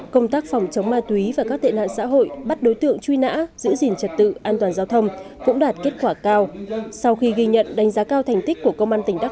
công tác phòng chống ma túy và các tệ nạn xã hội bắt đối tượng truy nã giữ gìn trật tự an toàn giao thông cũng đạt kết quả cao